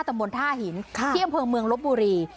ตำแบบทะถานถาหินข้ามเคี่ยงเพลงเมืองลบบุรี